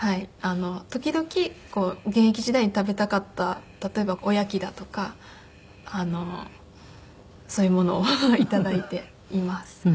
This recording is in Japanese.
時々現役時代に食べたかった例えばおやきだとかそういうものを頂いています。